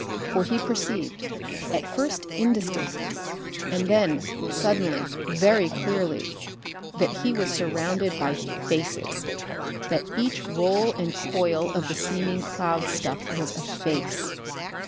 For he perceived, at first indistinctly, and then suddenly very clearly, that he was surrounded by FACES! that each roll and coil of the seeming cloud stuff was a face.